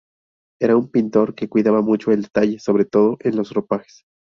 Era un pintor que cuidaba mucho el detalle, sobre todo en los ropajes.